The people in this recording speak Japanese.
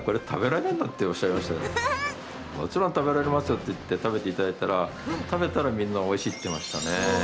もちろん食べられますよって言って、食べていただいたら食べたらみんな、おいしい！って言ってましたね。